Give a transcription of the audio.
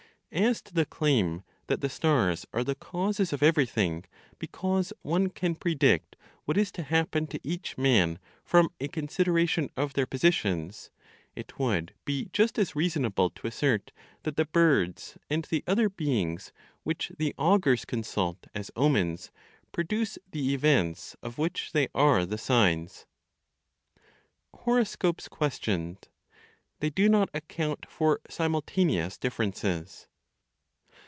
As to the claim that the stars are the causes of everything, because one can predict what is to happen to each man from a consideration of their positions, it would be just as reasonable to assert that the birds and the other beings which the augurs consult as omens produce the events of which they are the signs. HOROSCOPES QUESTIONED; THEY DO NOT ACCOUNT FOR SIMULTANEOUS DIFFERENCES.